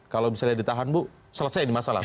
kalau misalnya ditahan bu selesai ini masalah